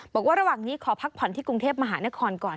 บอกว่าระหว่างนี้ขอพักผ่อนที่กรุงเทพมหานครก่อน